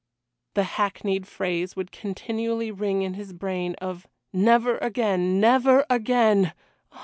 The hackneyed phrase would continually ring in his brain of Never again never again!